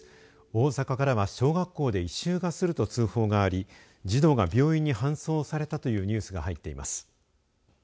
大阪からは小学校で異臭がすると通報があり児童が病院に搬送されたというニュースが入っています。